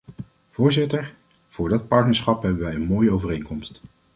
Voorzitter, voor dat partnerschap hebben we een mooie overeenkomst.